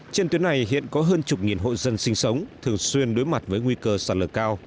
trên tuyến này hiện có hơn chục nghìn hộ dân sinh sống thường xuyên đối mặt với nguy cơ sạt lở cao